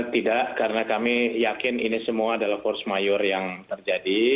tidak karena kami yakin ini semua adalah force mayor yang terjadi